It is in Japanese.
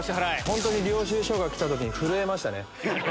本当に領収書がきた時に震えましたね。